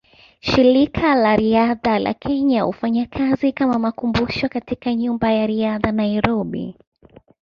Shirika la Riadha la Kenya hufanya kazi kama makumbusho katika Nyumba ya Riadha, Nairobi.